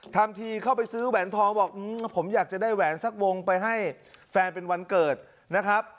ทำทีเข้าไปซื้อแหวนทองบอกผมอยากจะได้แหวนสักวงไปให้แฟนเป็นวันเกิดนะครับ